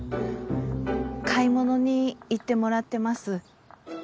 買い物に行ってもらってます。